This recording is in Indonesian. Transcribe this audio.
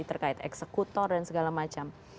terkait eksekutor dan segala macam